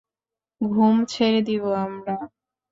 ঘুম ছেড়ে দিব আমরা?